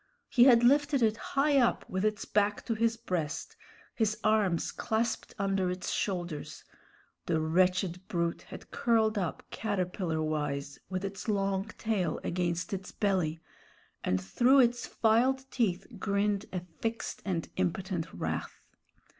He had lifted it high up with its back to his breast, his arms clasped under its shoulders; the wretched brute had curled up caterpillar wise, with its long tail against its belly, and through its filed teeth grinned a fixed and impotent wrath.